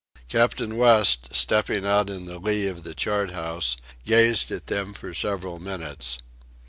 Captain West, stepping out in the lee of the chart house, gazed at them for several minutes.